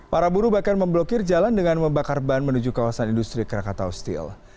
para buruh bahkan memblokir jalan dengan membakar ban menuju kawasan industri krakatau steel